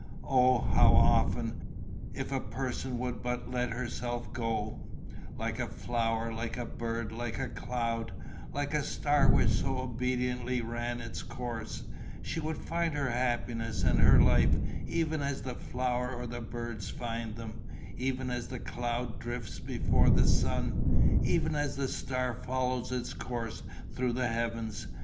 Oh, how often, if a person would but let herself go, like a flower, like a bird, like a cloud, like a star which so obediently ran its course, she would find her happiness and her life, even as the flower or the bird finds them, even as the cloud drifts before the sun, even as the star follows its course through the heavens.